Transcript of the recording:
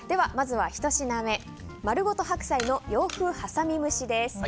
まずは１品目まるごと白菜の洋風はさみ蒸しです。